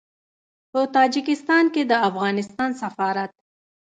په تاجکستان کې د افغانستان سفارت